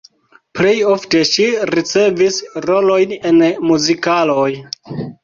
Plej ofte ŝi ricevis rolojn en muzikaloj.